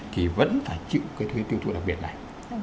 thì vẫn phải chịu cái thuế tiêu thụ đặc biệt này